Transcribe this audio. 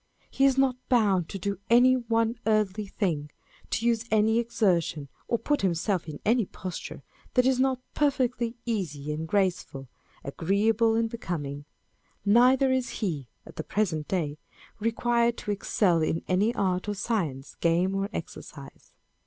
He is not bound to do any one earthly thing ; to use any exertion, or put himself in any posture, that is not perfectly easy and graceful, agreeable and becoming. Neither is he (at the present day) required to excel in any art or science, game or exercise.